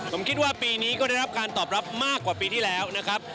ผมคิดว่าปีนี้ก็ได้รับการตอบรับมากกว่าปีที่แล้วนะครับ